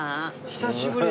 久しぶり。